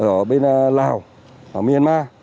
ở bên lào ở myanmar